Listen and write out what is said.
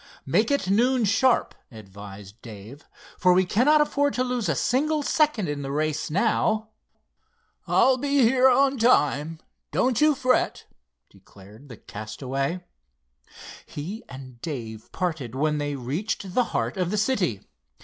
"Make it noon, sharp," advised Dave, "for we cannot afford to lose a single second in the race now." "I'll be here on time, don't you fret," declared the castaway. He and Dave parted when they reached the heart of the city.